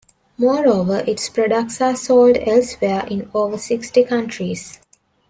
Moreover its products are sold elsewhere in over sixty countries.